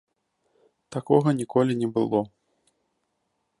Такога ніколі не было.